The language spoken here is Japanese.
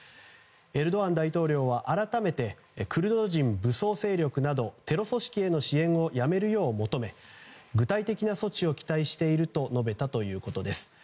エルドアン大統領は改めて、クルド人武装勢力などテロ組織への支援をやめるよう求め具体的な措置を期待していると述べたということです。